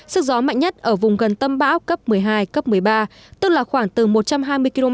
sức gió mạnh nhất ở vùng gần tâm bão cấp một mươi hai một mươi ba tức là khoảng từ một trăm hai mươi km đến một trăm năm mươi km